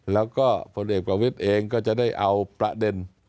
แล้วก็ผลเอกประวิทย์เองก็จะได้เอาประเด็น